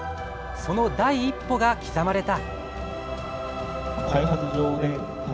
その第一歩が刻まれた。